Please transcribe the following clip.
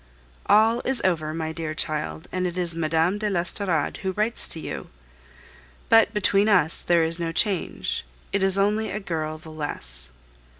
All is over, my dear child, and it is Mme. de l'Estorade who writes to you. But between us there is no change; it is only a girl the less.